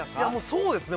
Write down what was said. そうですね